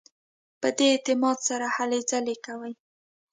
په دې اعتماد سره هلې ځلې کوي.